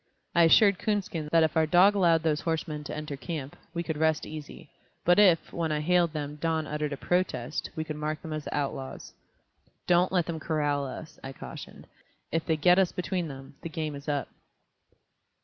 I assured Coonskin that if our dog allowed those horsemen to enter camp, we could rest easy, but if, when I hailed them, Don uttered a protest, we could mark them as the outlaws. "Don't let them corral us," I cautioned; "if they get us between them, the game is up."